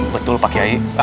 betul pak yae